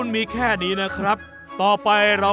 มาแล้วมาแล้ว